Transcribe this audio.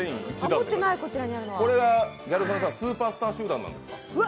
これはスーパースター集団なんですか。